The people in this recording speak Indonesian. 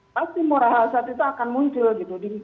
pasti murah hal saat itu akan muncul gitu